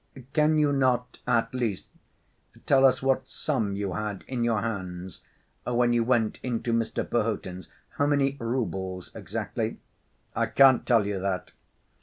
"Can you not, at least, tell us what sum you had in your hands when you went into Mr. Perhotin's—how many roubles exactly?" "I can't tell you that."